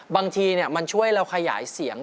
บางทีมันช่วยเราขยายเสียง